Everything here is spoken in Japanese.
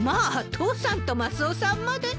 父さんとマスオさんまで。